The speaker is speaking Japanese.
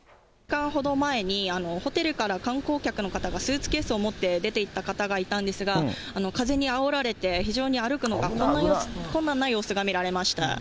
ホテルから観光客の方がスーツケース持って出ていった方がいたんですが、風にあおられて、非常に歩くのが困難な様子が見られました。